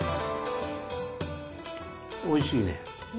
おいしいね。